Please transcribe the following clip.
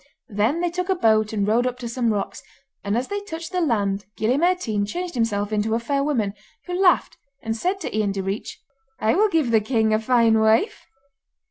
Then they took a boat and rowed up to some rocks, and as they touched the land Gille Mairtean changed himself into a fair woman, who laughed, and said to Ian Direach, 'I will give the king a fine wife.